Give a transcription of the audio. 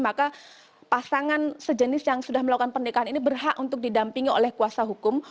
maka pasangan sejenis yang sudah melakukan pernikahan ini berhak untuk didampingi oleh kuasa hukum